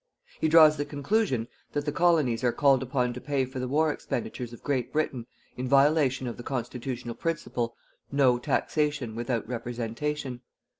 He draws the conclusion that the Colonies are called upon to pay for the war expenditures of Great Britain in violation of the constitutional principle: NO TAXATION WITHOUT REPRESENTATION.